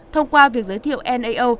thông qua việc giới thiệu nao